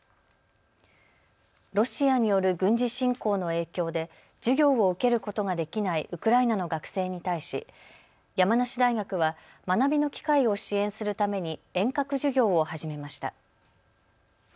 ロシアによる軍事侵攻の影響で授業を受けることができないウクライナの学生に対し山梨大学は学びの機会を支援するために遠隔授業を始めました。